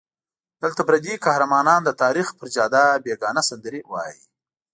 دلته پردي قهرمانان د تاریخ پر جاده بېګانه سندرې وایي.